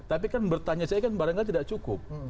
tapi kan bertanya saya kan barangkali tidak cukup